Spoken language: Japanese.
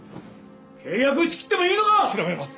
契約打ち切ってもいいのか！